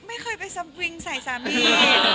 ไม่เคยไปสวิงใส่สามี